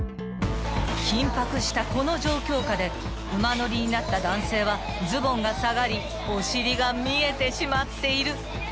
［緊迫したこの状況下で馬乗りになった男性はズボンが下がりお尻が見えてしまっている］